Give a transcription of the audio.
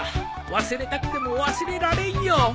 忘れたくても忘れられんよ。